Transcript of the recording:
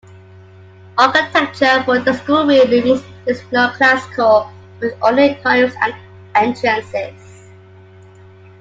Architecture for the school buildings is neoclassical, with ornate columns at entrances.